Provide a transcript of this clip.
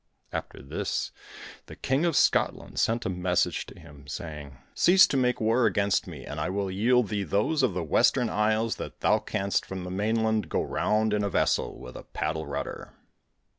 After this the King of Scotland sent a message to him, saying: 'Cease to make war against me and I will yield thee those of the Western Isles that thou canst from the mainland go round in a vessel with a paddle rudder.'